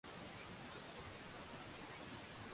wakati shirika la msalaba mwekundu